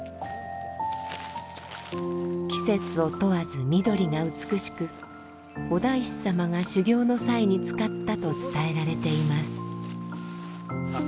季節を問わず緑が美しくお大師様が修行の際に使ったと伝えられています。